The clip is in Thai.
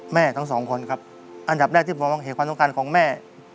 ทั้งสองคนครับอันดับแรกที่ผมมองเห็นความต้องการของแม่